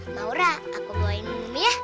maura aku bawain bumi ya